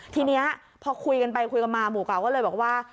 ทีนี้พอคุยกันไปคุยกันมาหมู่เก่าก็เลยบอกว่า